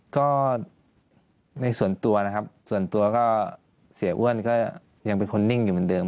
ก็ในส่วนตัวนะครับส่วนตัวก็เสียอ้วนก็ยังเป็นคนนิ่งอยู่เหมือนเดิม